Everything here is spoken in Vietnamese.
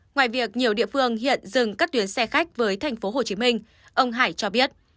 ngoài việc nhiều địa phương hiện dừng các tuyến xe khách với tp hcm ông hải cho biết